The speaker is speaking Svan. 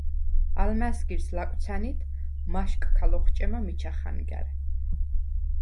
ალმა̈სგირს ლაკვცა̈ნიდ მა̈შკქა ლოხჭემა მიჩა ხანგა̈რ.